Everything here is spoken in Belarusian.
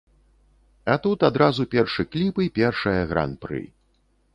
А тут адразу першы кліп і першае гран-пры.